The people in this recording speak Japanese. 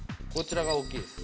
こちらが大きい。